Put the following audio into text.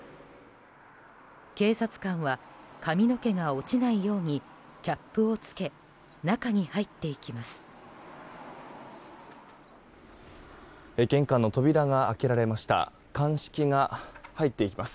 警察官は髪の毛が落ちないようにキャップを着け中に入っていきます。